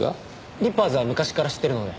リッパーズは昔から知ってるので。